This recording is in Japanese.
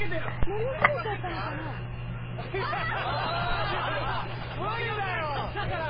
乗り遅れちゃったから。